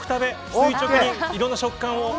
垂直にいろんな食感を。